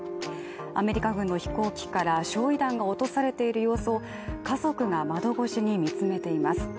アメリカ軍の飛行機から焼い弾が落とされている様子を家族が窓越しに見つめています。